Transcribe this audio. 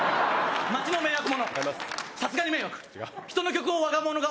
街の迷惑者。